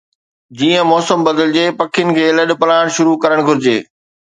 جيئن موسم بدلجي، پکين کي لڏپلاڻ شروع ڪرڻ گهرجي